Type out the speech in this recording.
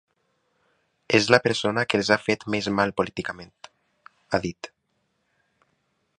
“És la persona que els ha fet més mal políticament”, ha dit.